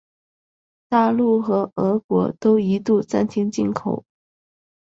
大陆和俄国都一度暂停进口。